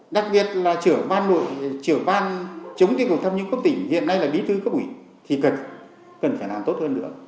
đặc biệt là trở ban chống tiêu cực tham nhũng cấp tỉnh hiện nay là bí thư cấp ủy thì cần phải làm tốt hơn nữa